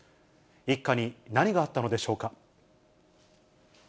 一家に何があったのでしょうか。